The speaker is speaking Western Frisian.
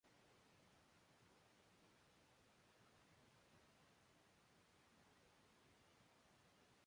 Doe't ik hearde dat ik wûn hie, wie ik der echt even ôf.